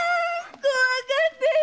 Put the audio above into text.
怖かったよ！